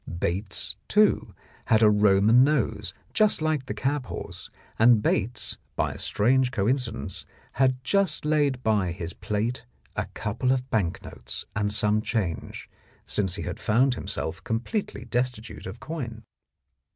Bates, too, had a Roman nose, just like the cab horse, and Bates, by a strange coincidence, had just laid by his plate a couple of bank notes and some change, since he had found himself completely destitute of coin.